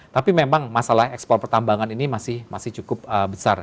tapi memang masalah ekspor pertambangan ini masih cukup besar